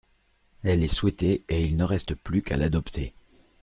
Elle est souhaitée et il ne reste plus qu’à l’adopter.